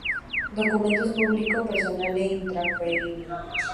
Documento Público, personal e intransferible.